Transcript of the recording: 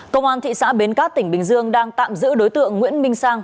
công an thị xã bến cát tỉnh bình dương đang tạm giữ đối tượng nguyễn minh sang